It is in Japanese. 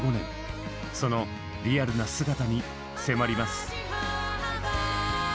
そのリアルな姿に迫ります。